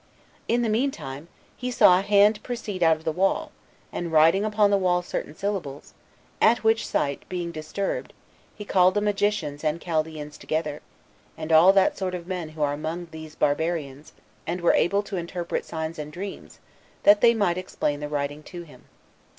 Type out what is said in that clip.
In the mean time, he saw a hand proceed out of the wall, and writing upon the wall certain syllables; at which sight, being disturbed, he called the magicians and Chaldeans together, and all that sort of men that are among these barbarians, and were able to interpret signs and dreams, that they might explain the writing to him.